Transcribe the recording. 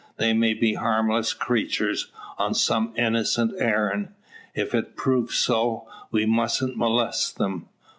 They may be harmless creatures, on some innocent errand. If it prove so, we musn't molest them."